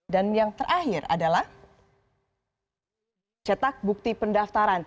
dan yang terakhir adalah cetak bukti pendaftaran